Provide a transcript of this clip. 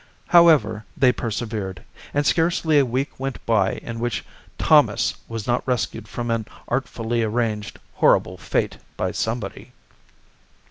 However, they persevered, and scarcely a week went by in which Thomas was not rescued from an artfully arranged horrible fate by somebody.